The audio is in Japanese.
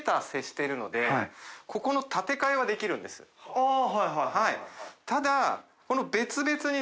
あっはいはい。